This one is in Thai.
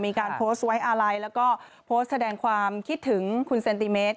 มีการโพสต์ไว้อาลัยแล้วก็โพสต์แสดงความคิดถึงคุณเซนติเมตร